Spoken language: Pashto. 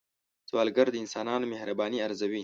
سوالګر د انسانانو مهرباني ارزوي